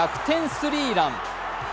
スリーラン。